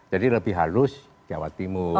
jadi lebih halus jawa timur